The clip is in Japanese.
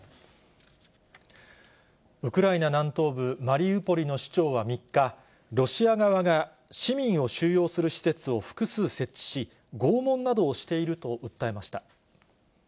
ウクライナ南東部マリウポリの市長は３日、ロシア側が市民を収容する施設を複数設置し、拷問などをしていると訴えました。